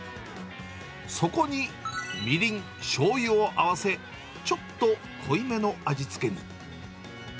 そこにみりん、しょうゆを合わせ、ちょっと濃いめの味付けに。